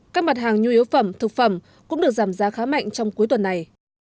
các mặt hàng nhu yếu phẩm thực phẩm cũng được giảm giá khá mạnh trong cuối tuần này